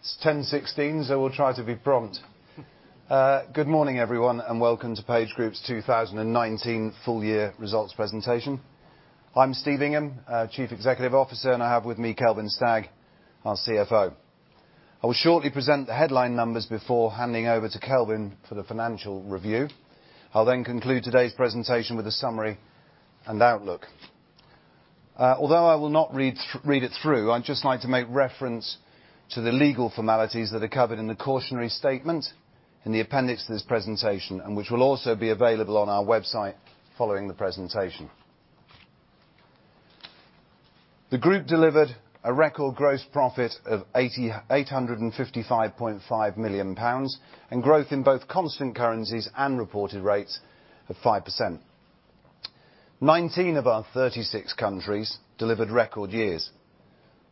It's 10:16. We'll try to be prompt. Good morning, everyone. Welcome to PageGroup's 2019 full year results presentation. I'm Steve Ingham, Chief Executive Officer. I have with me Kelvin Stagg, our CFO. I will shortly present the headline numbers before handing over to Kelvin for the financial review. I'll conclude today's presentation with a summary and outlook. Although I will not read it through, I'd just like to make reference to the legal formalities that are covered in the cautionary statement in the appendix to this presentation, which will also be available on our website following the presentation. The group delivered a record gross profit of 855.5 million pounds, growth in both constant currencies and reported rates of 5%. 19 of our 36 countries delivered record years.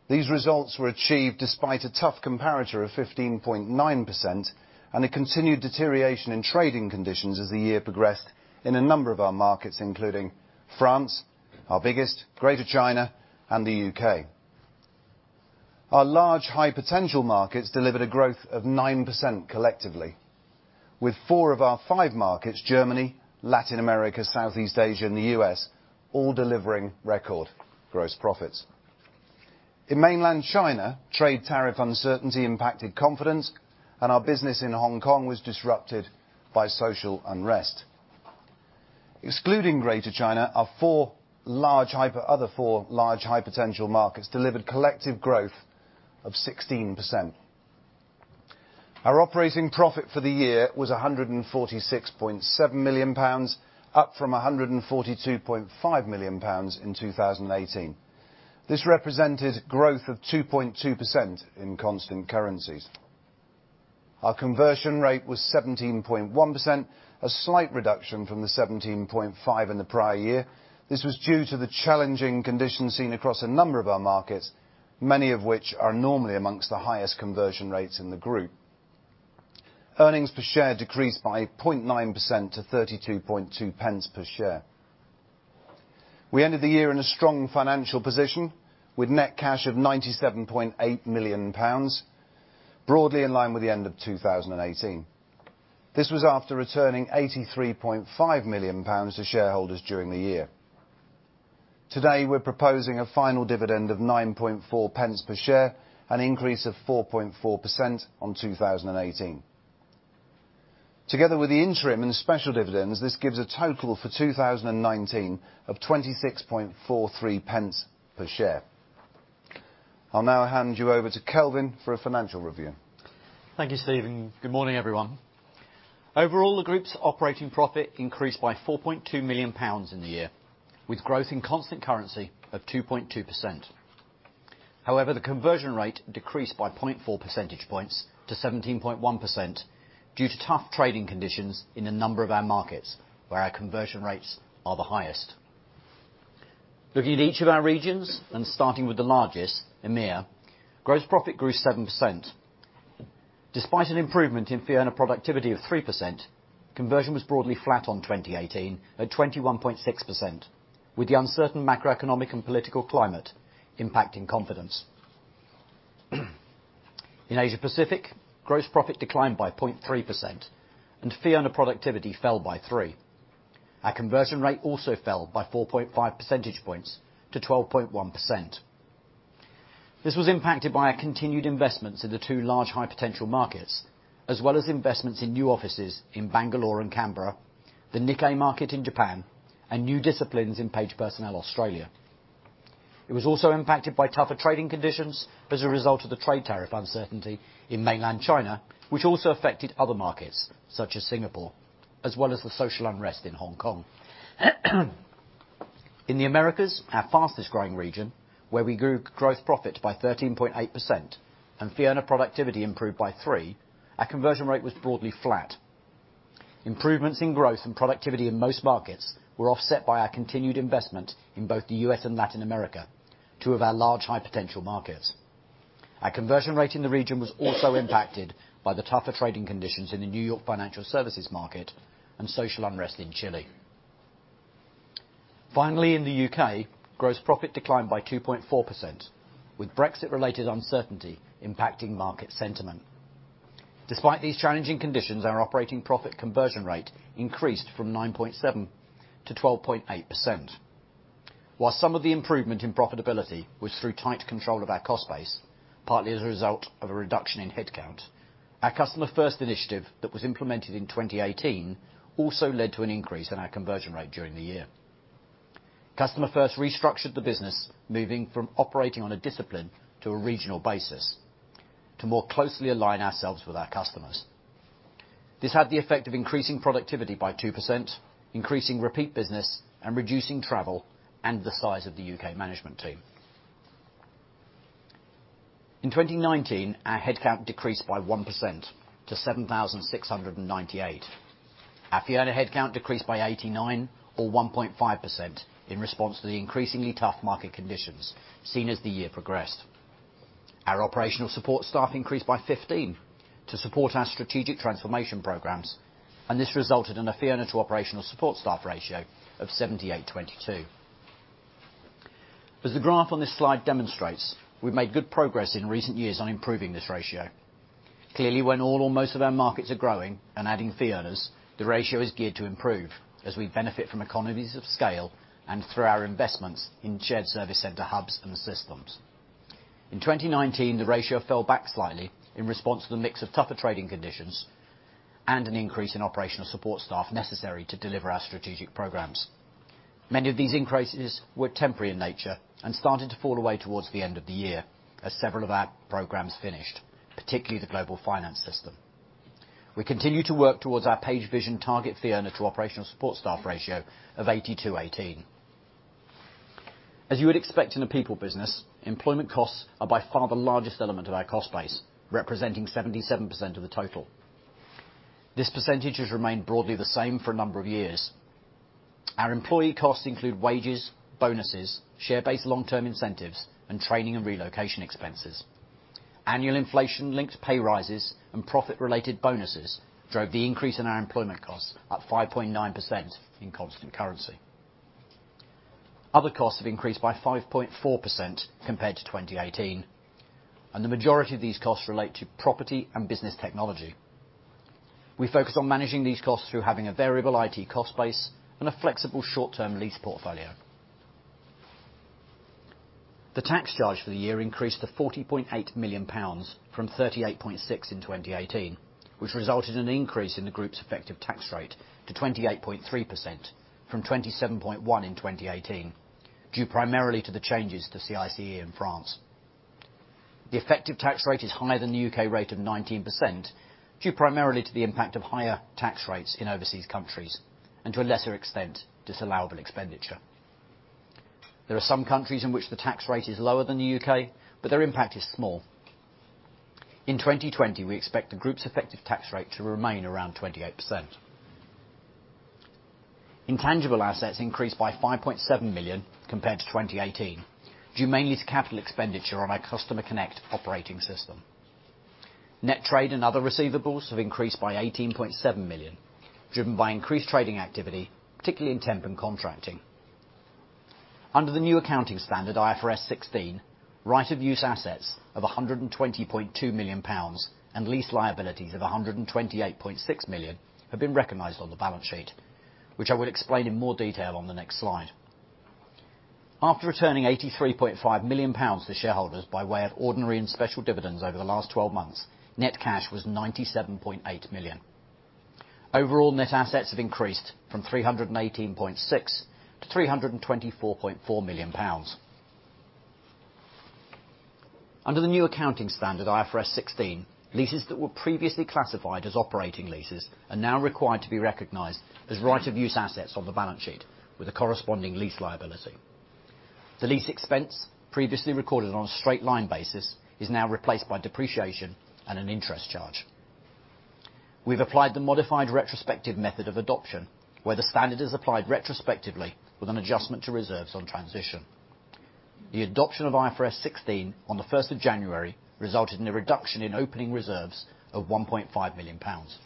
These results were achieved despite a tough comparator of 15.9% and a continued deterioration in trading conditions as the year progressed in a number of our markets, including France, our biggest, Greater China, and the U.K. Our large high-potential markets delivered a growth of 9% collectively, with four of our five markets, Germany, Latin America, Southeast Asia, and the U.S., all delivering record gross profits. In mainland China, trade tariff uncertainty impacted confidence and our business in Hong Kong was disrupted by social unrest. Excluding Greater China, our other four large high-potential markets delivered collective growth of 16%. Our operating profit for the year was 146.7 million pounds, up from 142.5 million pounds in 2018. This represented growth of 2.2% in constant currencies. Our conversion rate was 17.1%, a slight reduction from the 17.5% in the prior year. This was due to the challenging conditions seen across a number of our markets, many of which are normally amongst the highest conversion rates in the group. Earnings per share decreased by 0.9% to 0.322 per share. We ended the year in a strong financial position, with net cash of 97.8 million pounds, broadly in line with the end of 2018. This was after returning 83.5 million pounds to shareholders during the year. Today, we're proposing a final dividend of 0.094 per share, an increase of 4.4% on 2018. Together with the interim and special dividends, this gives a total for 2019 of 0.2643 per share. I'll now hand you over to Kelvin for a financial review. Thank you, Steve. Good morning, everyone. Overall, the group's operating profit increased by 4.2 million pounds in the year, with growth in constant currency of 2.2%. The conversion rate decreased by 0.4 percentage points to 17.1% due to tough trading conditions in a number of our markets where our conversion rates are the highest. Looking at each of our regions and starting with the largest, EMEIA, gross profit grew 7%. Despite an improvement in Fee Earner productivity of 3%, conversion was broadly flat on 2018 at 21.6% with the uncertain macroeconomic and political climate impacting confidence. In Asia Pacific, gross profit declined by 0.3% and Fee Earner productivity fell by 3%. Our conversion rate also fell by 4.5 percentage points to 12.1%. This was impacted by our continued investments in the two large high-potential markets, as well as investments in new offices in Bangalore and Canberra, the Nikkei market in Japan, and new disciplines in Page Personnel Australia. It was also impacted by tougher trading conditions as a result of the trade tariff uncertainty in mainland China, which also affected other markets such as Singapore, as well as the social unrest in Hong Kong. In the Americas, our fastest-growing region, where we grew gross profit by 13.8% and Fee Earner Productivity improved by 3%, our conversion rate was broadly flat. Improvements in growth and productivity in most markets were offset by our continued investment in both the U.S. and Latin America, two of our large high-potential markets. Our conversion rate in the region was also impacted by the tougher trading conditions in the New York financial services market and social unrest in Chile. Finally, in the U.K., gross profit declined by 2.4%, with Brexit-related uncertainty impacting market sentiment. Despite these challenging conditions, our operating profit conversion rate increased from 9.7%-12.8%. While some of the improvement in profitability was through tight control of our cost base, partly as a result of a reduction in headcount, our Customer First initiative that was implemented in 2018 also led to an increase in our conversion rate during the year. Customer First restructured the business, moving from operating on a discipline to a regional basis to more closely align ourselves with our customers. This had the effect of increasing productivity by 2%, increasing repeat business, and reducing travel and the size of the U.K. management team. In 2019, our headcount decreased by 1% to 7,698. Our Fee Earner headcount decreased by 89, or 1.5%, in response to the increasingly tough market conditions seen as the year progressed. Our Operational Support Staff increased by 15 to support our strategic transformation programs, and this resulted in a Fee Earner to Operational Support Staff ratio of 78:22. As the graph on this slide demonstrates, we've made good progress in recent years on improving this ratio. Clearly, when all or most of our markets are growing and adding Fee Earners, the ratio is geared to improve as we benefit from economies of scale and through our investments in shared service center hubs and systems. In 2019, the ratio fell back slightly in response to the mix of tougher trading conditions and an increase in Operational Support Staff necessary to deliver our strategic programs. Many of these increases were temporary in nature and started to fall away towards the end of the year as several of our programs finished, particularly the global finance system. We continue to work towards our Page Vision target Fee Earner to Operational Support staff ratio of 80:20. As you would expect in a people business, employment costs are by far the largest element of our cost base, representing 77% of the total. This percentage has remained broadly the same for a number of years. Our employee costs include wages, bonuses, share-based long-term incentives, and training and relocation expenses. Annual inflation-linked pay rises and profit-related bonuses drove the increase in our employment costs up 5.9% in constant currency. Other costs have increased by 5.4% compared to 2018, and the majority of these costs relate to property and business technology. We focus on managing these costs through having a variable IT cost base and a flexible short-term lease portfolio. The tax charge for the year increased to 40.8 million pounds from 38.6 million in 2018, which resulted in an increase in the group's effective tax rate to 28.3% from 27.1% in 2018, due primarily to the changes to CICE in France. The effective tax rate is higher than the U.K. rate of 19%, due primarily to the impact of higher tax rates in overseas countries, and to a lesser extent, disallowable expenditure. There are some countries in which the tax rate is lower than the U.K., their impact is small. In 2020, we expect the group's effective tax rate to remain around 28%. Intangible assets increased by 5.7 million compared to 2018, due mainly to capital expenditure on our Customer Connect operating system. Net trade and other receivables have increased by 18.7 million, driven by increased trading activity, particularly in temp and contracting. Under the new accounting standard, IFRS 16, right of use assets of 120.2 million pounds and lease liabilities of 128.6 million have been recognized on the balance sheet, which I will explain in more detail on the next slide. After returning 83.5 million pounds to shareholders by way of ordinary and special dividends over the last 12 months, net cash was 97.8 million. Overall, net assets have increased from 318.6 million-324.4 million pounds. Under the new accounting standard, IFRS 16, leases that were previously classified as operating leases are now required to be recognized as right of use assets on the balance sheet with a corresponding lease liability. The lease expense previously recorded on a straight line basis is now replaced by depreciation and an interest charge. We've applied the modified retrospective method of adoption, where the standard is applied retrospectively with an adjustment to reserves on transition. The adoption of IFRS 16 on the 1st of January resulted in a reduction in opening reserves of 1.5 million pounds.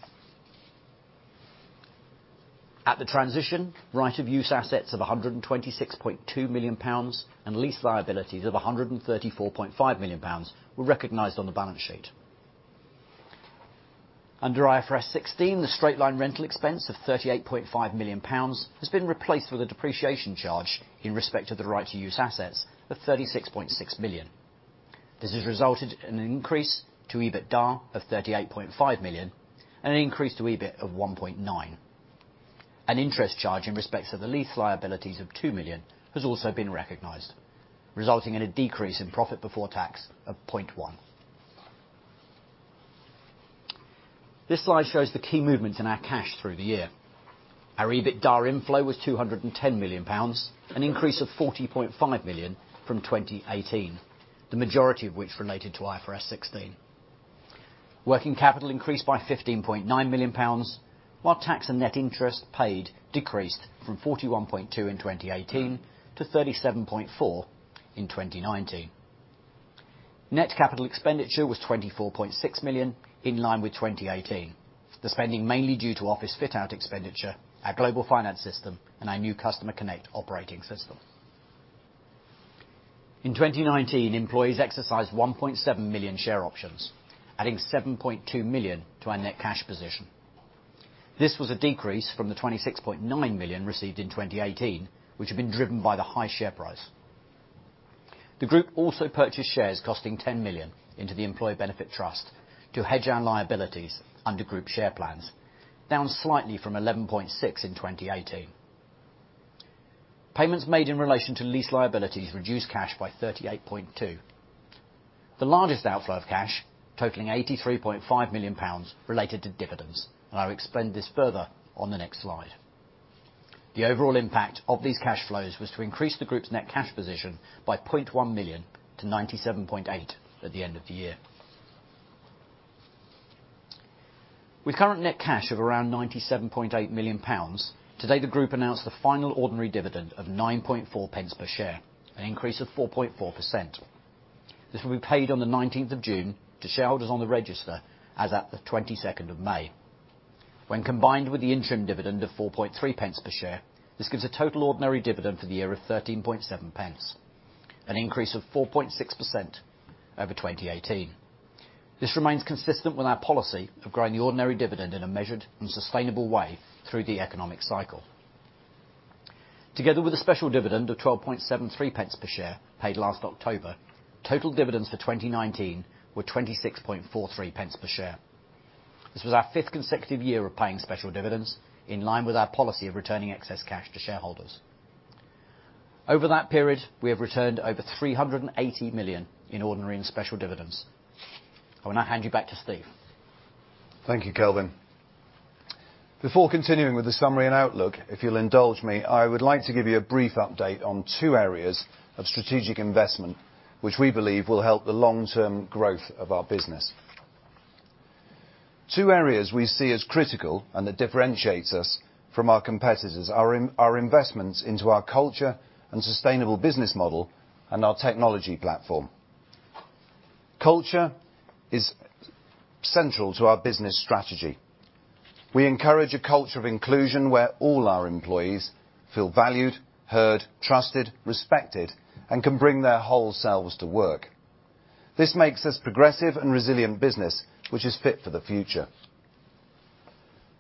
At the transition, right of use assets of 126.2 million pounds and lease liabilities of 134.5 million pounds were recognized on the balance sheet. Under IFRS 16, the straight line rental expense of 38.5 million pounds has been replaced with a depreciation charge in respect of the right to use assets of 36.6 million. This has resulted in an increase to EBITDA of 38.5 million and an increase to EBIT of 1.9 million. An interest charge in respect to the lease liabilities of 2 million has also been recognized, resulting in a decrease in profit before tax of 0.1 million. This slide shows the key movements in our cash through the year. Our EBITDA inflow was 210 million pounds, an increase of 40.5 million from 2018. The majority of which related to IFRS 16. Working capital increased by GBP 15.9 million, while tax and net interest paid decreased from 41.2 in 2018 to 37.4 in 2019. Net capital expenditure was GBP 24.6 million, in line with 2018. The spending mainly due to office fit-out expenditure, our global finance system, and our new Customer Connect operating system. In 2019, employees exercised 1.7 million share options, adding 7.2 million to our net cash position. This was a decrease from the 26.9 million received in 2018, which had been driven by the high share price. The group also purchased shares costing 10 million into the employee benefit trust to hedge our liabilities under group share plans, down slightly from 11.6 in 2018. Payments made in relation to lease liabilities reduced cash by 38.2. The largest outflow of cash totaling 83.5 million pounds related to dividends. I'll explain this further on the next slide. The overall impact of these cash flows was to increase the group's net cash position by 0.1 million to 97.8 million at the end of the year. With current net cash of around GBP 97.8 million, today the group announced the final ordinary dividend of 0.094 per share, an increase of 4.4%. This will be paid on the 19th of June to shareholders on the register as at the 22nd of May. When combined with the interim dividend of 0.043 per share, this gives a total ordinary dividend for the year of 0.137, an increase of 4.6% over 2018. This remains consistent with our policy of growing the ordinary dividend in a measured and sustainable way through the economic cycle. Together with a special dividend of 0.1273 per share paid last October, total dividends for 2019 were 0.2643 per share. This was our fifth consecutive year of paying special dividends in line with our policy of returning excess cash to shareholders. Over that period, we have returned over 380 million in ordinary and special dividends. I will now hand you back to Steve. Thank you, Kelvin. Before continuing with the summary and outlook, if you'll indulge me, I would like to give you a brief update on two areas of strategic investment which we believe will help the long-term growth of our business. Two areas we see as critical and that differentiates us from our competitors are investments into our culture and sustainable business model and our technology platform. Culture is central to our business strategy. We encourage a culture of inclusion where all our employees feel valued, heard, trusted, respected, and can bring their whole selves to work. This makes us progressive and resilient business, which is fit for the future.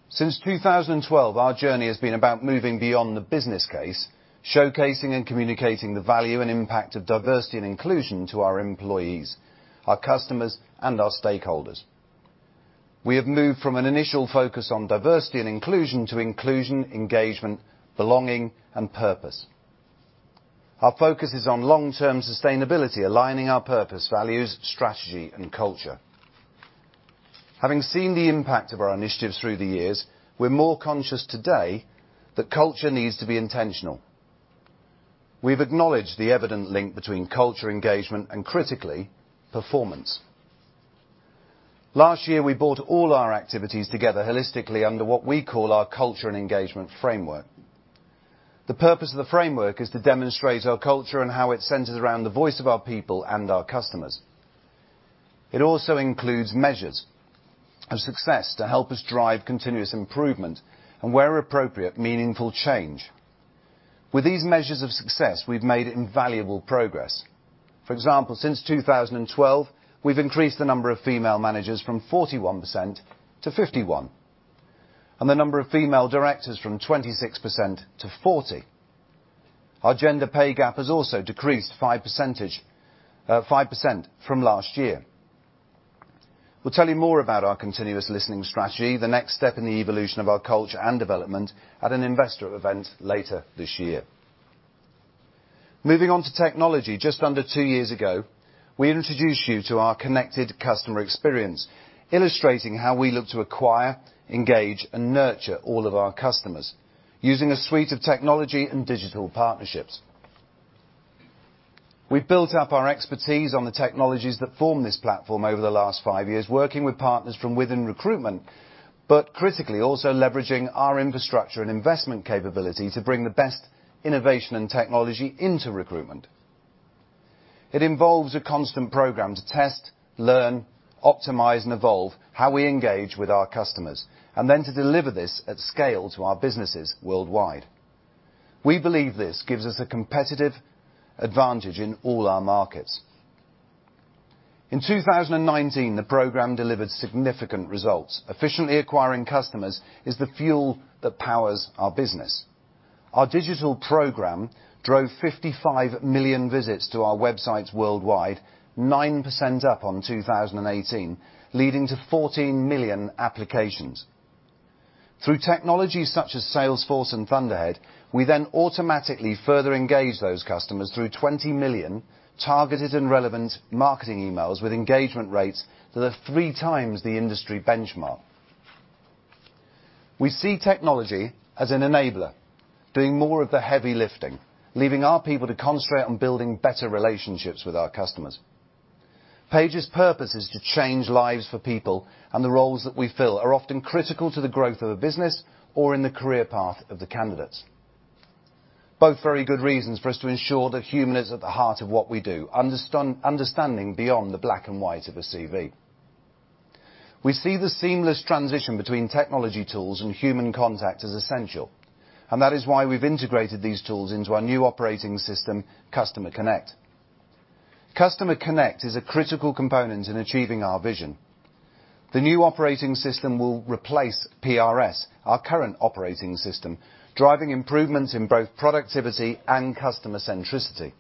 Since 2012, our journey has been about moving beyond the business case, showcasing and communicating the value and impact of diversity and inclusion to our employees, our customers, and our stakeholders. We have moved from an initial focus on diversity and inclusion to inclusion, engagement, belonging, and purpose. Our focus is on long-term sustainability, aligning our purpose, values, strategy, and culture. Having seen the impact of our initiatives through the years, we're more conscious today that culture needs to be intentional. We've acknowledged the evident link between culture engagement and critically, performance. Last year, we brought all our activities together holistically under what we call our culture and engagement framework. The purpose of the framework is to demonstrate our culture and how it centers around the voice of our people and our customers. It also includes measures of success to help us drive continuous improvement and where appropriate, meaningful change. With these measures of success, we've made invaluable progress. For example, since 2012, we've increased the number of female Managers from 41%-51%, and the number of female Directors from 26%-40%. Our gender pay gap has also decreased 5% from last year. We'll tell you more about our continuous listening strategy, the next step in the evolution of our culture and development at an investor event later this year. Moving on to technology, just under two years ago, we introduced you to our connected customer experience, illustrating how we look to acquire, engage, and nurture all of our customers using a suite of technology and digital partnerships. We've built up our expertise on the technologies that form this platform over the last five years, working with partners from within recruitment, but critically also leveraging our infrastructure and investment capability to bring the best innovation and technology into recruitment. It involves a constant program to test, learn, optimize, and evolve how we engage with our customers, and then to deliver this at scale to our businesses worldwide. We believe this gives us a competitive advantage in all our markets. In 2019, the program delivered significant results. Efficiently acquiring customers is the fuel that powers our business. Our digital program drove 55 million visits to our websites worldwide, 9% up on 2018, leading to 14 million applications. Through technologies such as Salesforce and Thunderhead, we automatically further engage those customers through 20 million targeted and relevant marketing emails with engagement rates that are three times the industry benchmark. We see technology as an enabler, doing more of the heavy lifting, leaving our people to concentrate on building better relationships with our customers. Page's purpose is to change lives for people. The roles that we fill are often critical to the growth of a business or in the career path of the candidates. Both very good reasons for us to ensure that human is at the heart of what we do, understanding beyond the black and white of a CV. We see the seamless transition between technology tools and human contact as essential, and that is why we've integrated these tools into our new operating system, Customer Connect. Customer Connect is a critical component in achieving our Page Vision. The new operating system will replace PRS, our current operating system, driving improvements in both productivity and customer centricity.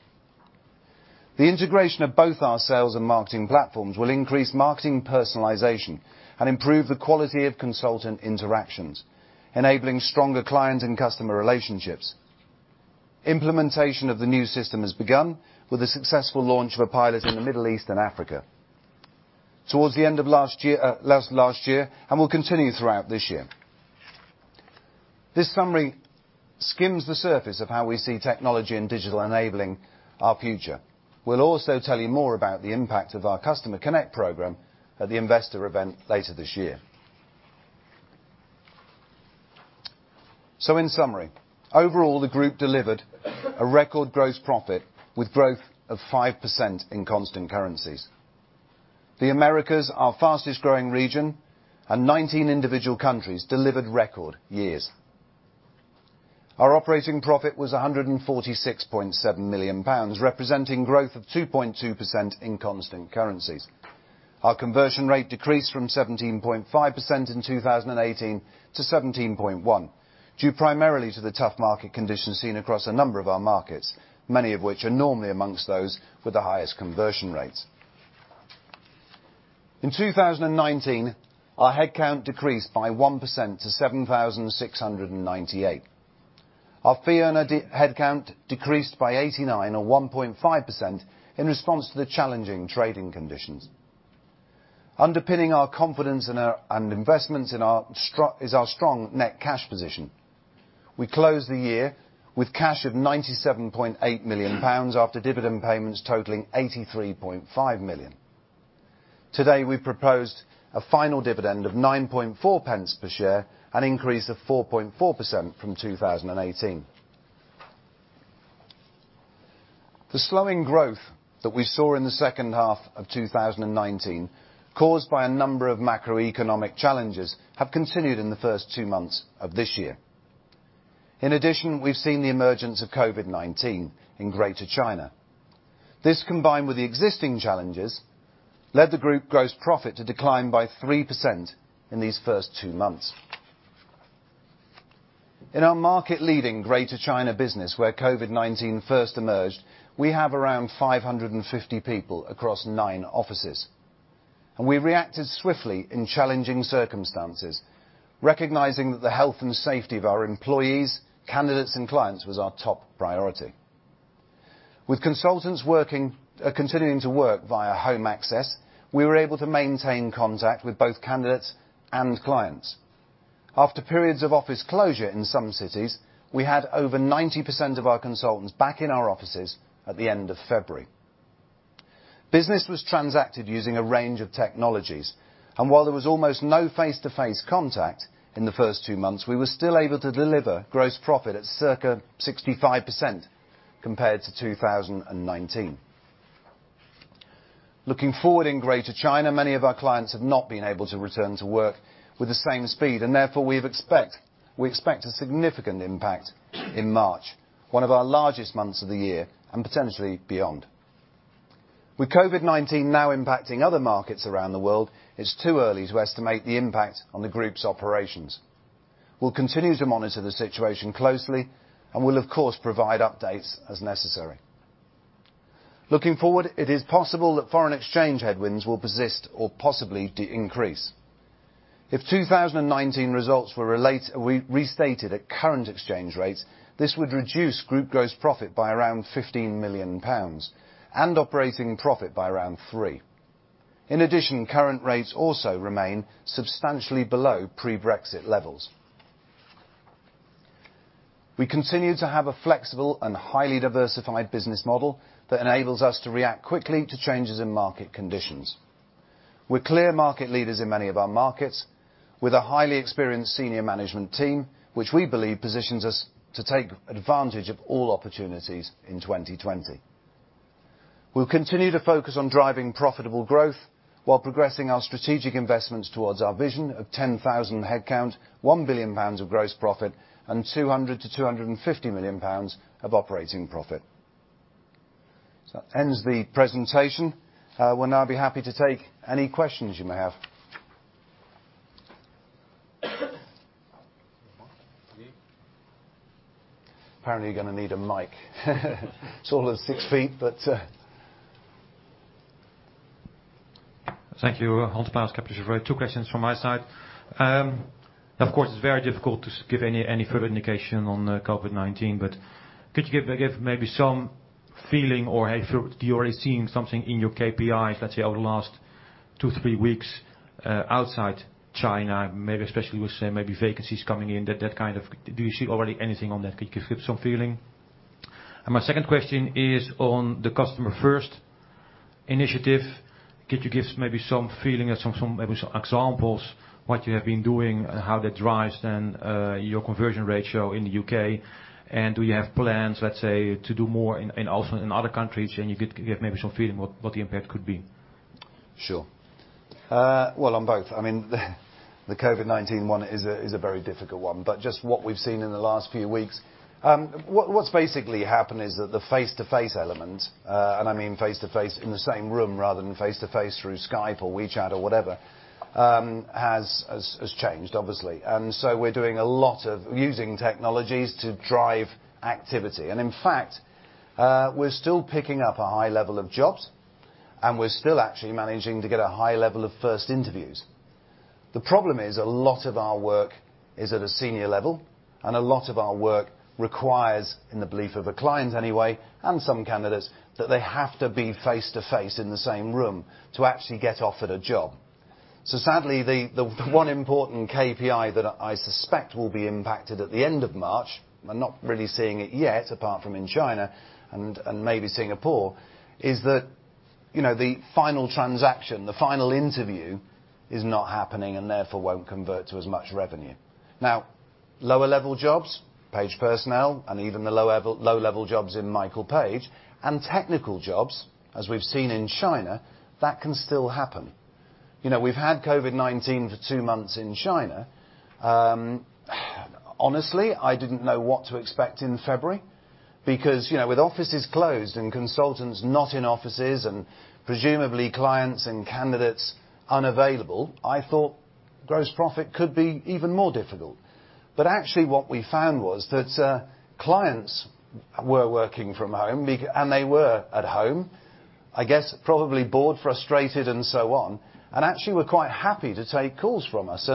The integration of both our sales and marketing platforms will increase marketing personalization and improve the quality of consultant interactions, enabling stronger client and customer relationships. Implementation of the new system has begun with the successful launch of a pilot in the Middle East and Africa towards the end of last year and will continue throughout this year. This summary skims the surface of how we see technology and digital enabling our future. We'll also tell you more about the impact of our Customer Connect program at the investor event later this year. In summary, overall, the group delivered a record gross profit with growth of 5% in constant currencies. The Americas, our fastest-growing region, and 19 individual countries delivered record years. Our operating profit was 146.7 million pounds, representing growth of 2.2% in constant currencies. Our conversion rate decreased from 17.5% in 2018 to 17.1%, due primarily to the tough market conditions seen across a number of our markets, many of which are normally amongst those with the highest conversion rates. In 2019, our head count decreased by 1% to 7,698. Our Fee Earner head count decreased by 89, or 1.5%, in response to the challenging trading conditions. Underpinning our confidence and investments is our strong net cash position. We closed the year with cash of 97.8 million pounds after dividend payments totaling 83.5 million. Today, we proposed a final dividend of 0.094 per share, an increase of 4.4% from 2018. The slowing growth that we saw in the second half of 2019, caused by a number of macroeconomic challenges, have continued in the first two months of this year. In addition, we've seen the emergence of COVID-19 in Greater China. This, combined with the existing challenges, led the group gross profit to decline by 3% in these first two months. In our market-leading Greater China business, where COVID-19 first emerged, we have around 550 people across nine offices. We reacted swiftly in challenging circumstances, recognizing that the health and safety of our employees, candidates, and clients was our top priority. With consultants continuing to work via home access, we were able to maintain contact with both candidates and clients. After periods of office closure in some cities, we had over 90% of our consultants back in our offices at the end of February. Business was transacted using a range of technologies, and while there was almost no face-to-face contact in the first two months, we were still able to deliver gross profit at circa 65% compared to 2019. Looking forward in Greater China, many of our clients have not been able to return to work with the same speed, and therefore we expect a significant impact in March, one of our largest months of the year, and potentially beyond. With COVID-19 now impacting other markets around the world, it's too early to estimate the impact on the group's operations. We'll continue to monitor the situation closely and will of course provide updates as necessary. Looking forward, it is possible that foreign exchange headwinds will persist or possibly increase. If 2019 results were restated at current exchange rates, this would reduce group gross profit by around 15 million pounds, and operating profit by around 3 million. In addition, current rates also remain substantially below pre-Brexit levels. We continue to have a flexible and highly diversified business model that enables us to react quickly to changes in market conditions. We're clear market leaders in many of our markets with a highly experienced senior management team, which we believe positions us to take advantage of all opportunities in 2020. We'll continue to focus on driving profitable growth while progressing our strategic investments towards our vision of 10,000 headcount, 1 billion pounds of gross profit, and 200 million-250 million pounds of operating profit. That ends the presentation. I will now be happy to take any questions you may have. Apparently you're gonna need a mic. It's all of 6 ft, but Thank you. [Hans Paus at Capita]. Two questions from my side. Of course, it's very difficult to give any further indication on COVID-19, but could you give maybe some feeling or have you already seen something in your KPIs, let's say, over the last two, three weeks, outside China, maybe especially with, say, maybe vacancies coming in, do you see already anything on that? Could you give some feeling? My second question is on the Customer First initiative. Could you give maybe some feeling or maybe some examples what you have been doing, how that drives, then, your conversion ratio in the U.K.? Do you have plans, let's say, to do more also in other countries? You could give maybe some feeling what the impact could be. Sure. Well, on both, I mean, the COVID-19 one is a very difficult one. Just what we've seen in the last few weeks, what's basically happened is that the face-to-face element, and I mean face-to-face in the same room rather than face-to-face through Skype or WeChat or whatever, has changed obviously. We're doing a lot of using technologies to drive activity. In fact, we're still picking up a high-level of jobs, and we're still actually managing to get a high level of first interviews. The problem is a lot of our work is at a senior level, and a lot of our work requires, in the belief of the clients anyway, and some candidates, that they have to be face-to-face in the same room to actually get offered a job. Sadly, the one important KPI that I suspect will be impacted at the end of March, we're not really seeing it yet, apart from in China and maybe Singapore, is that the final transaction, the final interview is not happening, and therefore won't convert to as much revenue. Lower level jobs, Page Personnel, and even the low-level jobs in Michael Page, and technical jobs, as we've seen in China, that can still happen. We've had COVID-19 for two months in China. Honestly, I didn't know what to expect in February, because with offices closed and consultants not in offices and presumably clients and candidates unavailable, I thought gross profit could be even more difficult. Actually, what we found was that clients were working from home, and they were at home, I guess probably bored, frustrated, and so on, and actually were quite happy to take calls from us.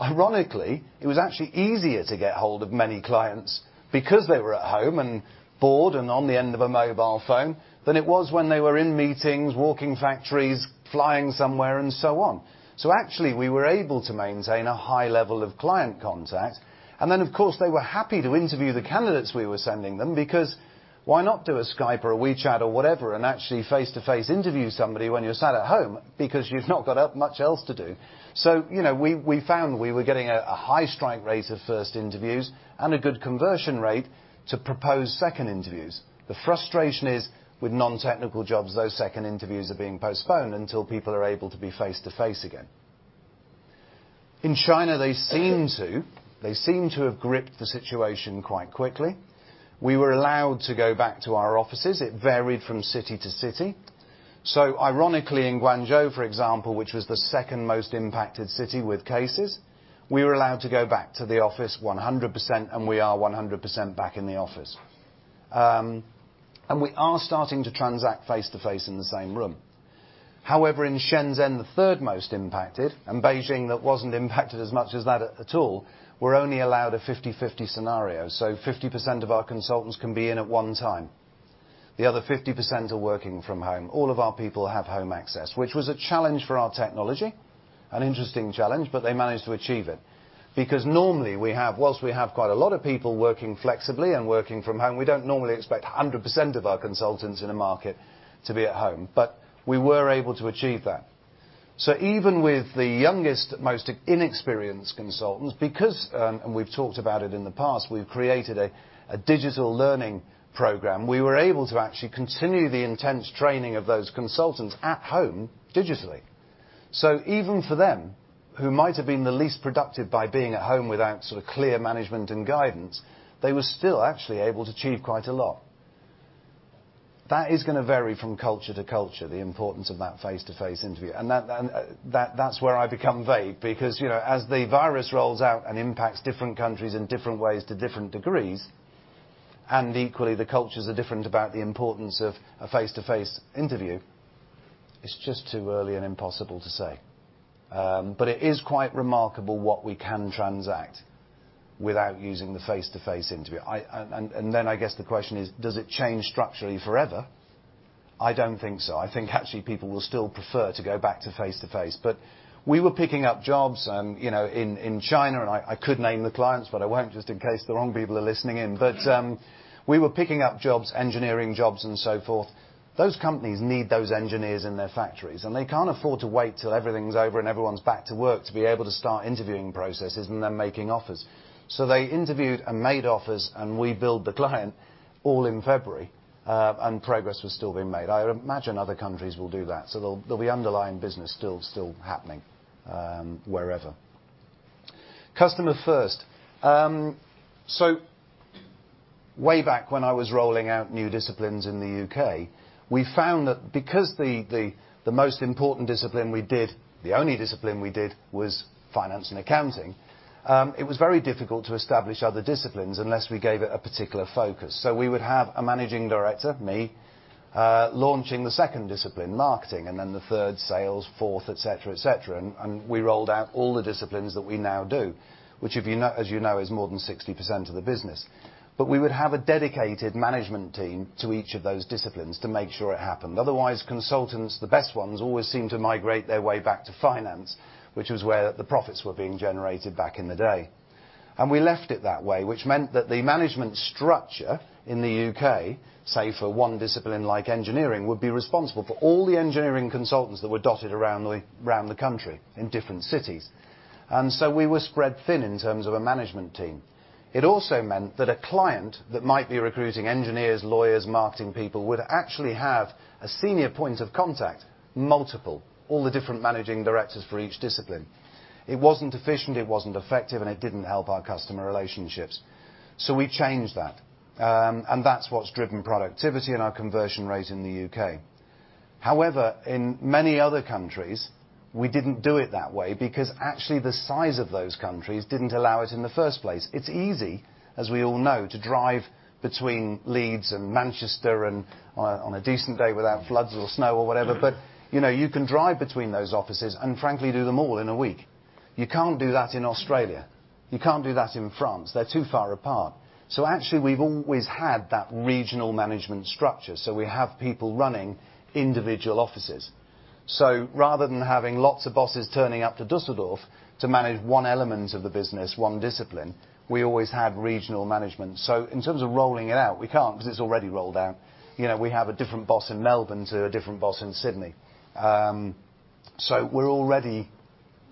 Ironically, it was actually easier to get hold of many clients because they were at home and bored and on the end of a mobile phone than it was when they were in meetings, walking factories, flying somewhere, and so on. Actually, we were able to maintain a high level of client contact. Of course, they were happy to interview the candidates we were sending them, because why not do a Skype or a WeChat or whatever and actually face-to-face interview somebody when you're sat at home because you've not got that much else to do? We found we were getting a high strike rate of first interviews and a good conversion rate to propose second interviews. The frustration is with non-technical jobs, those second interviews are being postponed until people are able to be face-to-face again. In China, they seem to have gripped the situation quite quickly. We were allowed to go back to our offices. It varied from city to city. Ironically, in Guangzhou, for example, which was the second-most impacted city with cases, we were allowed to go back to the office 100%, and we are 100% back in the office. We are starting to transact face-to-face in the same room. However, in Shenzhen, the third most impacted, and Beijing, that wasn't impacted as much as that at all, we're only allowed a 50/50 scenario. 50% of our consultants can be in at one time. The other 50% are working from home. All of our people have home access, which was a challenge for our technology, an interesting challenge, but they managed to achieve it. Because normally, whilst we have quite a lot of people working flexibly and working from home, we don't normally expect 100% of our consultants in a market to be at home. We were able to achieve that. Even with the youngest, most inexperienced consultants, because, and we've talked about it in the past, we've created a digital learning program, we were able to actually continue the intense training of those consultants at home digitally. Even for them, who might have been the least productive by being at home without clear management and guidance, they were still actually able to achieve quite a lot. That is going to vary from culture to culture, the importance of that face-to-face interview, and that's where I become vague because as the virus rolls out and impacts different countries in different ways to different degrees, and equally, the cultures are different about the importance of a face-to-face interview, it's just too early and impossible to say. It is quite remarkable what we can transact without using the face-to-face interview. I guess the question is, does it change structurally forever? I don't think so. I think actually, people will still prefer to go back to face-to-face. We were picking up jobs in China, and I could name the clients, but I won't just in case the wrong people are listening in. We were picking up jobs, engineering jobs and so forth. Those companies need those engineers in their factories, and they can't afford to wait till everything's over and everyone's back to work to be able to start interviewing processes and then making offers. They interviewed and made offers, and we billed the client all in February, and progress was still being made. I imagine other countries will do that. There'll be underlying business still happening wherever. Customer First. Way back when I was rolling out new disciplines in the U.K., we found that because the most important discipline we did, the only discipline we did, was finance and accounting, it was very difficult to establish other disciplines unless we gave it a particular focus. We would have a managing director, me, launching the second discipline, marketing, and then the third, sales, fourth, et cetera. We rolled out all the disciplines that we now do, which as you know, is more than 60% of the business. We would have a dedicated management team to each of those disciplines to make sure it happened. Otherwise, consultants, the best ones, always seemed to migrate their way back to finance, which was where the profits were being generated back in the day. We left it that way, which meant that the management structure in the U.K., say for one discipline like engineering, would be responsible for all the engineering consultants that were dotted around the country in different cities. We were spread thin in terms of a management team. It also meant that a client that might be recruiting engineers, lawyers, marketing people, would actually have a senior point of contact, multiple, all the different managing directors for each discipline. It wasn't efficient, it wasn't effective, and it didn't help our customer relationships. We changed that. That's what's driven productivity and our conversion rate in the U.K. However, in many other countries, we didn't do it that way because actually the size of those countries didn't allow it in the first place. It's easy, as we all know, to drive between Leeds and Manchester on a decent day without floods or snow or whatever, but you can drive between those offices and frankly do them all in a week. You can't do that in Australia. You can't do that in France. They're too far apart. Actually, we've always had that regional management structure, so we have people running individual offices. Rather than having lots of bosses turning up to Düsseldorf to manage one element of the business, one discipline, we always had regional management. In terms of rolling it out, we can't because it's already rolled out. We have a different boss in Melbourne to a different boss in Sydney. We're already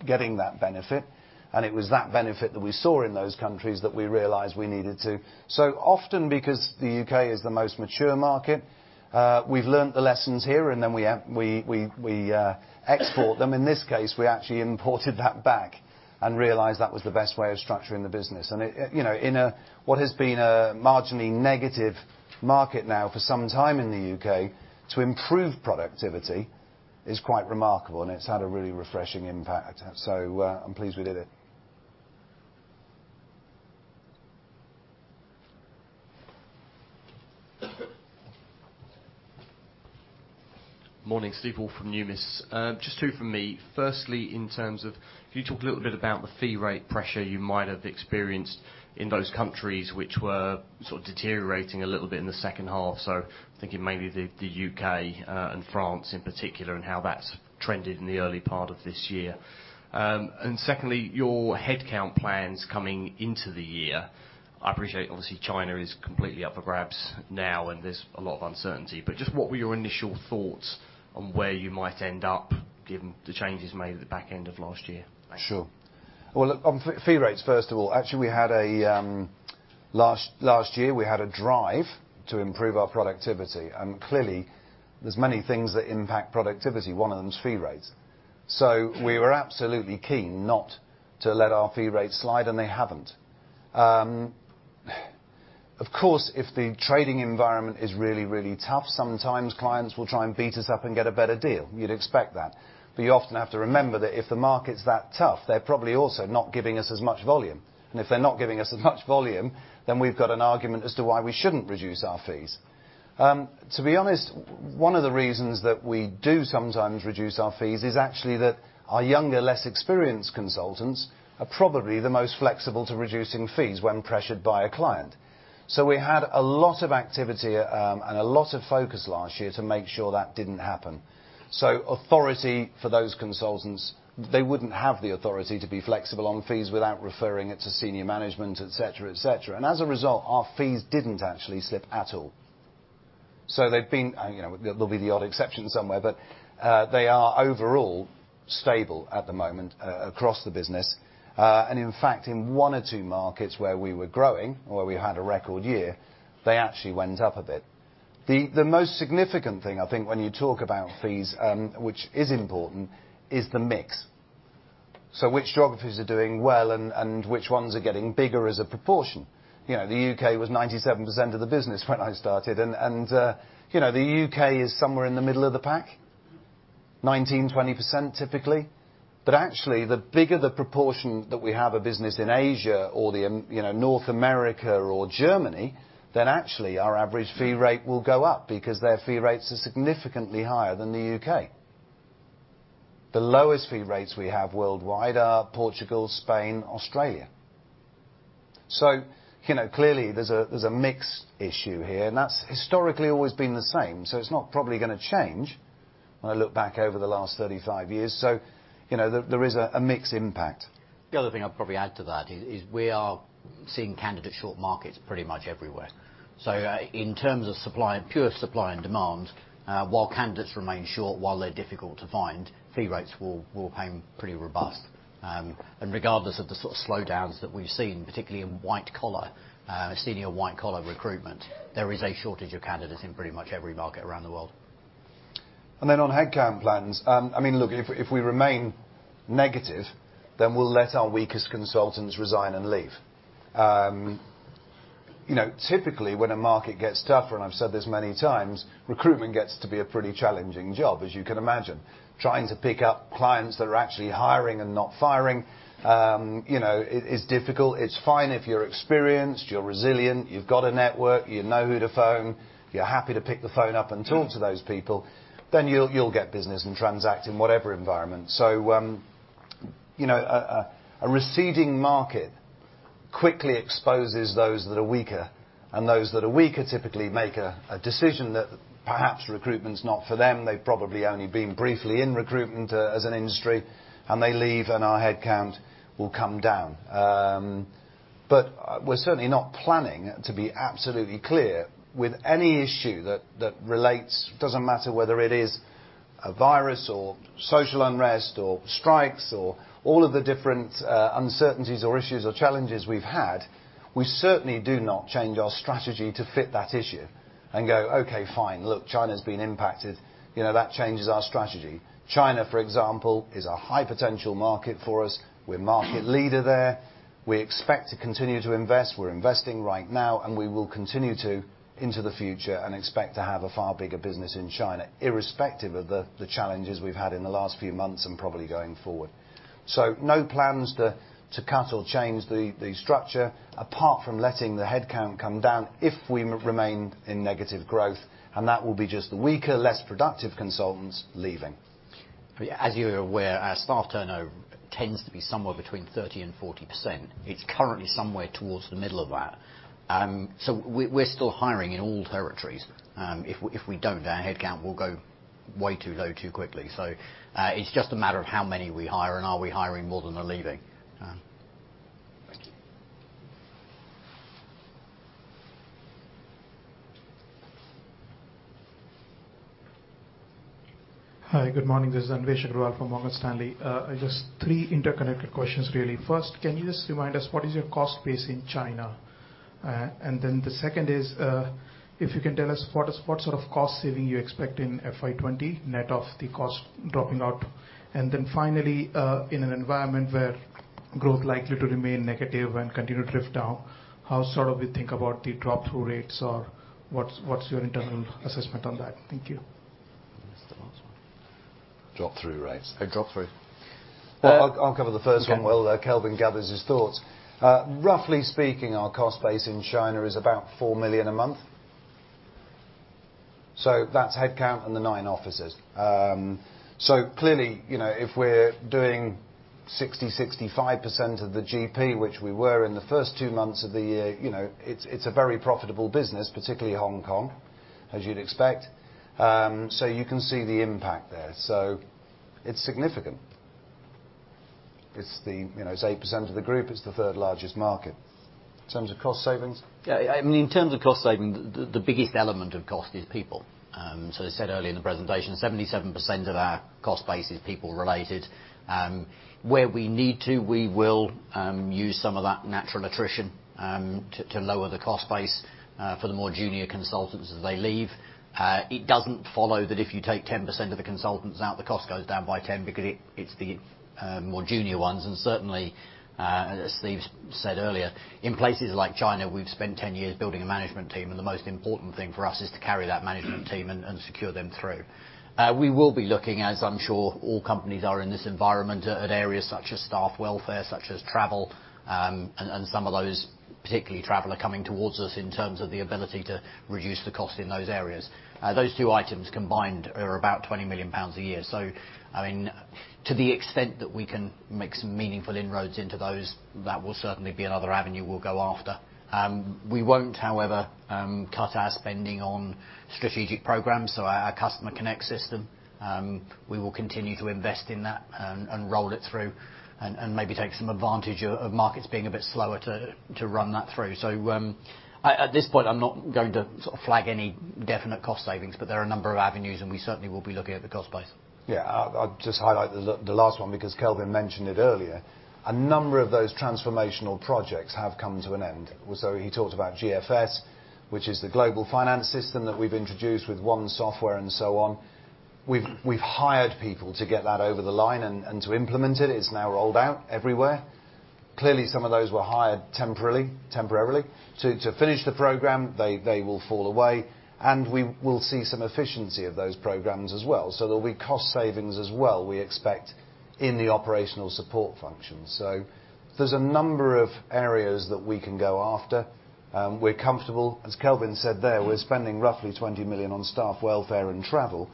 getting that benefit, and it was that benefit that we saw in those countries that we realized we needed too. Often because the U.K. is the most mature market, we've learned the lessons here and then we export them. In this case, we actually imported that back and realized that was the best way of structuring the business. In what has been a marginally negative market now for some time in the U.K., to improve productivity is quite remarkable, and it's had a really refreshing impact. I'm pleased we did it. Morning, Steve Woolf from Numis. Just two from me. Firstly, in terms of can you talk a little bit about the fee rate pressure you might have experienced in those countries which were sort of deteriorating a little bit in the second half, thinking maybe the U.K. and France in particular, and how that's trended in the early part of this year? Secondly, your head count plans coming into the year. I appreciate obviously China is completely up for grabs now and there's a lot of uncertainty, just what were your initial thoughts on where you might end up given the changes made at the back end of last year? Thanks. Well, look, on fee rates, first of all, actually last year, we had a drive to improve our productivity, and clearly there's many things that impact productivity. One of them is fee rates. We were absolutely keen not to let our fee rates slide, and they haven't. Of course, if the trading environment is really, really tough, sometimes clients will try and beat us up and get a better deal. You'd expect that. You often have to remember that if the market's that tough, they're probably also not giving us as much volume. If they're not giving us as much volume, then we've got an argument as to why we shouldn't reduce our fees. To be honest, one of the reasons that we do sometimes reduce our fees is actually that our younger, less experienced consultants are probably the most flexible to reducing fees when pressured by a client. We had a lot of activity and a lot of focus last year to make sure that didn't happen. Authority for those consultants, they wouldn't have the authority to be flexible on fees without referring it to senior management, et cetera. As a result, our fees didn't actually slip at all. There'll be the odd exception somewhere, but they are overall stable at the moment across the business. In fact, in one or two markets where we were growing, or where we had a record year, they actually went up a bit. The most significant thing, I think, when you talk about fees, which is important, is the mix. Which geographies are doing well and which ones are getting bigger as a proportion. The U.K. was 97% of the business when I started, and the U.K. is somewhere in the middle of the pack, 19%, 20% typically. Actually, the bigger the proportion that we have a business in Asia or North America or Germany, actually our average fee rate will go up because their fee rates are significantly higher than the U.K. The lowest fee rates we have worldwide are Portugal, Spain, Australia. Clearly there's a mix issue here, and that's historically always been the same, it's not probably going to change when I look back over the last 35 years. There is a mix impact. The other thing I'd probably add to that is we are seeing candidate short markets pretty much everywhere. In terms of pure supply and demand, while candidates remain short, while they're difficult to find, fee rates will hang pretty robust. Regardless of the sort of slowdowns that we've seen, particularly in senior white collar recruitment, there is a shortage of candidates in pretty much every market around the world. On headcount plans, if we remain negative, then we'll let our weakest consultants resign and leave. Typically, when a market gets tougher, and I've said this many times, recruitment gets to be a pretty challenging job, as you can imagine. Trying to pick up clients that are actually hiring and not firing is difficult. It's fine if you're experienced, you're resilient, you've got a network, you know who to phone, you're happy to pick the phone up and talk to those people, then you'll get business and transact in whatever environment. A receding market quickly exposes those that are weaker, and those that are weaker typically make a decision that perhaps recruitment's not for them. They've probably only been briefly in recruitment as an industry, and they leave, and our headcount will come down. We're certainly not planning to be absolutely clear with any issue that relates, doesn't matter whether it is a virus or social unrest or strikes, or all of the different uncertainties or issues or challenges we've had. We certainly do not change our strategy to fit that issue and go, okay, fine, look, China's been impacted. That changes our strategy. China, for example, is a high potential market for us. We're market leader there. We expect to continue to invest. We're investing right now, and we will continue to into the future and expect to have a far bigger business in China, irrespective of the challenges we've had in the last few months and probably going forward. No plans to cut or change the structure apart from letting the headcount come down if we remain in negative growth, and that will be just the weaker, less productive consultants leaving. As you're aware, our staff turnover tends to be somewhere between 30% and 40%. It's currently somewhere towards the middle of that. We're still hiring in all territories. If we don't, our headcount will go way too low too quickly. It's just a matter of how many we hire, and are we hiring more than are leaving. Hi, good morning. This is Anvesh Agrawal from Morgan Stanley. Just three interconnected questions really. First, can you just remind us what is your cost base in China? The second is, if you can tell us what sort of cost saving you expect in FY 2020, net of the cost dropping out. Finally, in an environment where growth likely to remain negative and continue to drift down, how sort of you think about the drop-through rates or what's your internal assessment on that? Thank you. What's the last one? Drop-through rates. Hey, drop-through. Well, I'll cover the first one while Kelvin gathers his thoughts. Roughly speaking, our cost base in China is about 4 million a month. That is headcount and the nine offices. Clearly, if we are doing 60%, 65% of the GP, which we were in the first two months of the year, it is a very profitable business, particularly Hong Kong, as you would expect. You can see the impact there. It is significant. It is 8% of the group. It is the third largest market. In terms of cost savings? In terms of cost savings, the biggest element of cost is people. As I said earlier in the presentation, 77% of our cost base is people related. Where we need to, we will use some of that natural attrition to lower the cost base for the more junior consultants as they leave. It doesn't follow that if you take 10% of the consultants out, the cost goes down by 10 because it's the more junior ones. Certainly, as Steve said earlier, in places like China, we've spent 10 years building a management team, and the most important thing for us is to carry that management team and secure them through. We will be looking, as I'm sure all companies are in this environment, at areas such as staff welfare, such as travel, and some of those, particularly travel, are coming towards us in terms of the ability to reduce the cost in those areas. Those two items combined are about 20 million pounds a year. To the extent that we can make some meaningful inroads into those, that will certainly be another avenue we'll go after. We won't, however, cut our spending on strategic programs. Our Customer Connect system, we will continue to invest in that and roll it through, and maybe take some advantage of markets being a bit slower to run that through. At this point, I'm not going to flag any definite cost savings, but there are a number of avenues, and we certainly will be looking at the cost base. Yeah. I'll just highlight the last one because Kelvin mentioned it earlier. A number of those transformational projects have come to an end. He talked about GFS, which is the global finance system that we've introduced with one software and so on. We've hired people to get that over the line and to implement it. It's now rolled out everywhere. Clearly, some of those were hired temporarily to finish the program. They will fall away, and we will see some efficiency of those programs as well. There'll be cost savings as well, we expect, in the operational support function. There's a number of areas that we can go after. We're comfortable. As Kelvin said there, we're spending roughly 20 million on staff welfare and travel,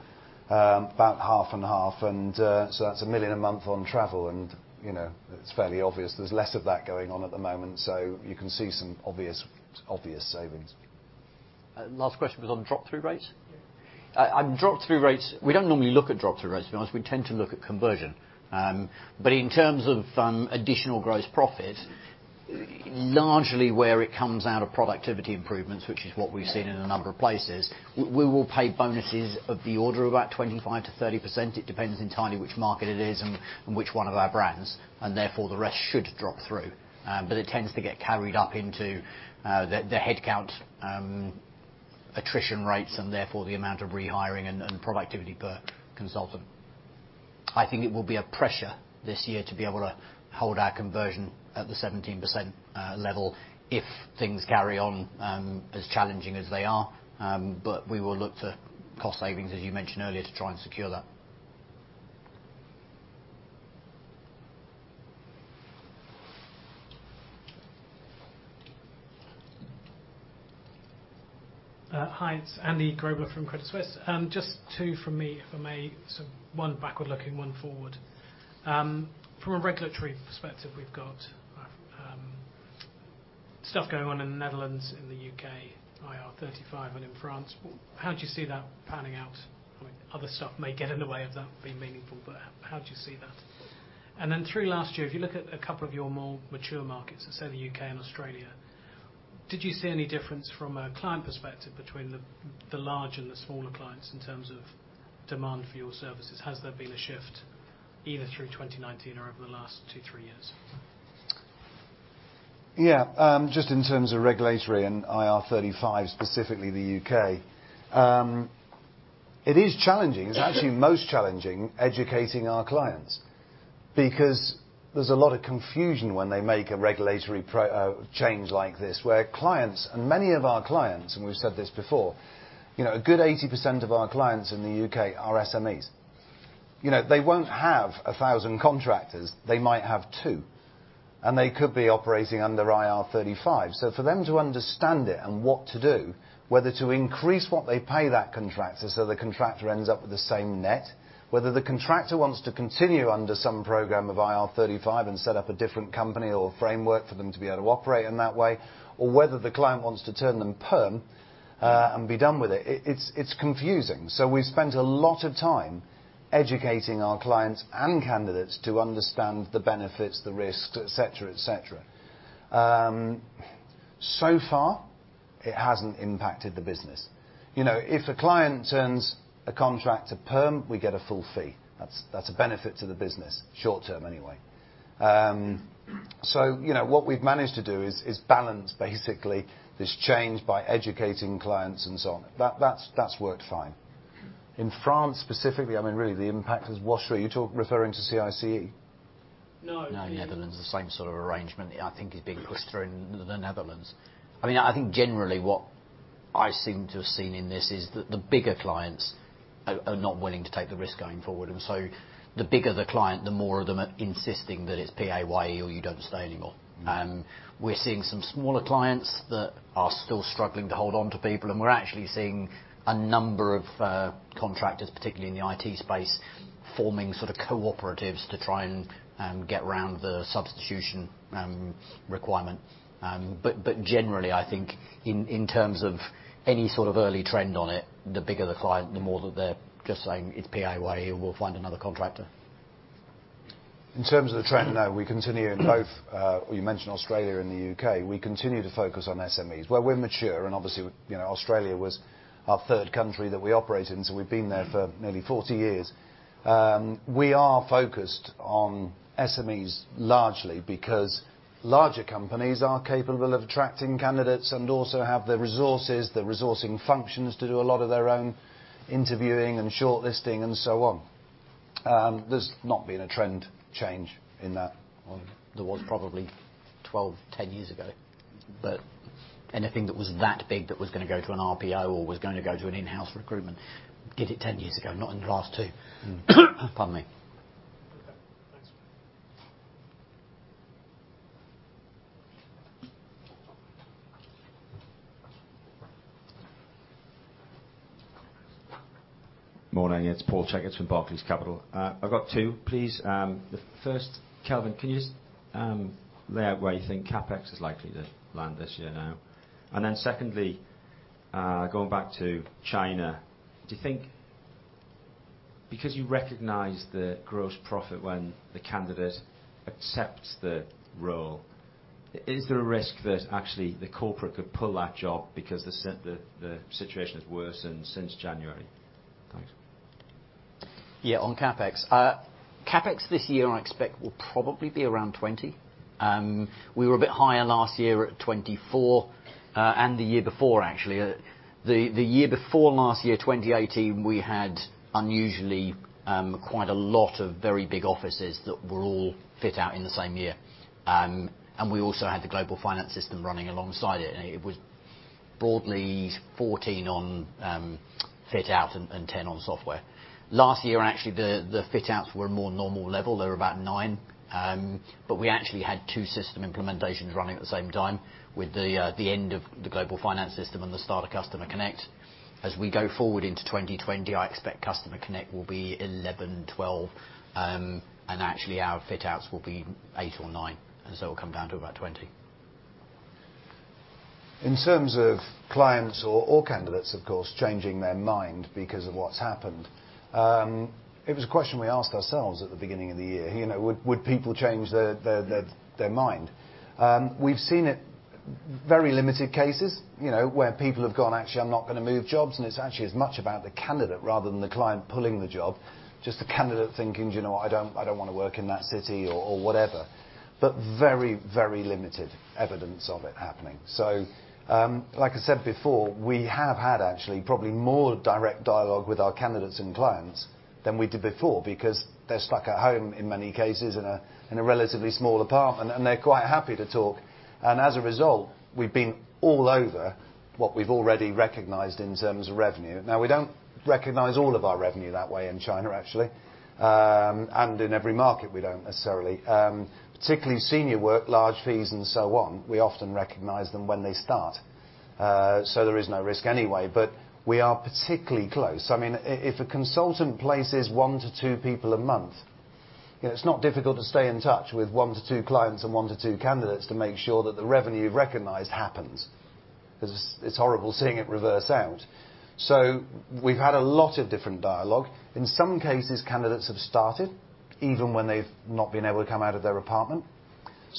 about half and half. That's 1 million a month on travel, and it's fairly obvious there's less of that going on at the moment. You can see some obvious savings. Last question was on drop-through rates? Drop-through rates, we don't normally look at drop-through rates, to be honest. We tend to look at conversion. In terms of additional gross profit, largely where it comes out of productivity improvements, which is what we've seen in a number of places, we will pay bonuses of the order of about 25%-30%. It depends entirely which market it is and which one of our brands, and therefore, the rest should drop through. It tends to get carried up into the headcount attrition rates, and therefore, the amount of rehiring and productivity per consultant. I think it will be a pressure this year to be able to hold our conversion at the 17% level if things carry on as challenging as they are. We will look to cost savings, as you mentioned earlier, to try and secure that. Hi, it's Andy Grobler from Credit Suisse. Just two from me, if I may. One backward-looking, one forward. From a regulatory perspective, we've got stuff going on in the Netherlands, in the U.K., IR35, and in France. How do you see that panning out? Other stuff may get in the way of that being meaningful, but how do you see that? Then through last year, if you look at a couple of your more mature markets, let's say the U.K. and Australia, did you see any difference from a client perspective between the large and the smaller clients in terms of demand for your services? Has there been a shift either through 2019 or over the last two, three years? Yeah. Just in terms of regulatory and IR35, specifically the U.K., it is challenging. It's actually most challenging educating our clients because there's a lot of confusion when they make a regulatory change like this, where clients, and many of our clients, and we've said this before, a good 80% of our clients in the U.K. are SMEs. They won't have 1,000 contractors. They might have two. They could be operating under IR35. For them to understand it and what to do, whether to increase what they pay that contractor so the contractor ends up with the same net, whether the contractor wants to continue under some program of IR35 and set up a different company or framework for them to be able to operate in that way, or whether the client wants to turn them perm, and be done with it's confusing. We've spent a lot of time educating our clients and candidates to understand the benefits, the risks, et cetera. So far, it hasn't impacted the business. If a client turns a contract to perm, we get a full fee. That's a benefit to the business, short-term anyway. What we've managed to do is balance basically this change by educating clients and so on. That's worked fine. In France specifically, really the impact is what, Sri? Are you referring to CICE? No. No, Netherlands, the same sort of arrangement I think is being pushed through in the Netherlands. I think generally what I seem to have seen in this is that the bigger clients are not willing to take the risk going forward. The bigger the client, the more of them are insisting that it's PAYE or you don't stay anymore. We're seeing some smaller clients that are still struggling to hold onto people, and we're actually seeing a number of contractors, particularly in the IT space, forming sort of cooperatives to try and get around the substitution requirement. Generally, I think in terms of any sort of early trend on it, the bigger the client, the more that they're just saying, "It's PAYE or we'll find another contractor. In terms of the trend now, we continue in both, you mentioned Australia and the U.K., we continue to focus on SMEs. Where we're mature, and obviously, Australia was our third country that we operate in, so we've been there for nearly 40 years, we are focused on SMEs largely because larger companies are capable of attracting candidates and also have the resources, the resourcing functions to do a lot of their own interviewing and shortlisting and so on. There's not been a trend change in that. There was probably 12, 10 years ago. Anything that was that big that was going to go to an RPO or was going to go to an in-house recruitment did it 10 years ago, not in the last two. Pardon me. Morning, it's Paul Checketts from Barclays Capital. I've got two, please. The first, Kelvin, can you just lay out where you think CapEx is likely to land this year now? Secondly, going back to China, do you think because you recognize the gross profit when the candidate accepts the role, is there a risk that actually the corporate could pull that job because the situation has worsened since January? Thanks. Yeah, on CapEx. CapEx this year I expect will probably be around 20 million. We were a bit higher last year at 24 million, and the year before, actually. The year before last year, 2018, we had unusually, quite a lot of very big offices that were all fit out in the same year. We also had the global finance system running alongside it, and it was broadly 14 million on fit out and 10 million on software. Last year, actually, the fit outs were a more normal level. They were about 9 million. We actually had two system implementations running at the same time with the end of the global finance system and the start of Customer Connect. As we go forward into 2020, I expect Customer Connect will be 11 million, 12 million, and actually our fit outs will be 8 million or 9 million, and so it will come down to about 20 million. In terms of clients or candidates, of course, changing their mind because of what's happened, it was a question we asked ourselves at the beginning of the year. Would people change their mind? We've seen it very limited cases, where people have gone, "Actually, I'm not going to move jobs." It's actually as much about the candidate rather than the client pulling the job, just the candidate thinking, "Do you know what? I don't want to work in that city," or whatever. Very limited evidence of it happening. Like I said before, we have had actually probably more direct dialogue with our candidates and clients than we did before because they're stuck at home in many cases in a relatively small apartment, and they're quite happy to talk. As a result, we've been all over what we've already recognized in terms of revenue. Now, we don't recognize all of our revenue that way in China, actually. In every market, we don't necessarily. Particularly senior work, large fees and so on, we often recognize them when they start. There is no risk anyway, but we are particularly close. If a consultant places one to two people a month, it's not difficult to stay in touch with one to two clients and one to two candidates to make sure that the revenue recognized happens, because it's horrible seeing it reverse out. We've had a lot of different dialogue. In some cases, candidates have started even when they've not been able to come out of their apartment.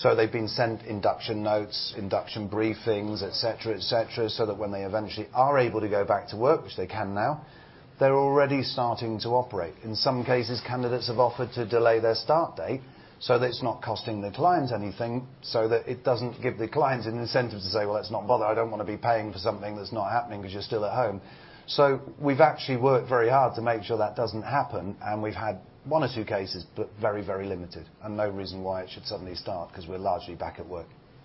They've been sent induction notes, induction briefings, et cetera, so that when they eventually are able to go back to work, which they can now, they're already starting to operate. In some cases, candidates have offered to delay their start date so that it's not costing the clients anything, so that it doesn't give the clients an incentive to say, "Well, let's not bother. I don't want to be paying for something that's not happening because you're still at home." We've actually worked very hard to make sure that doesn't happen, and we've had one or two cases, but very limited, and no reason why it should suddenly start because we're largely back at work.